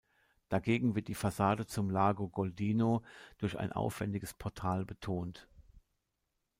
Dagegen wird die Fassade zum Largo Goldoni durch ein aufwändiges Portal betont.